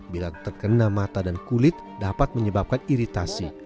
bila terkena mata dan kulit dapat menyebabkan iritasi